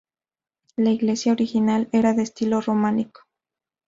La iglesia original era de estilo románico.